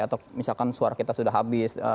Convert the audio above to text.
atau misalkan suara kita sudah habis